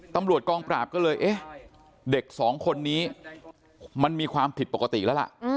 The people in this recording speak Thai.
ตำรวจกองปราบก็เลยเอ๊ะเด็กสองคนนี้มันมีความผิดปกติแล้วล่ะ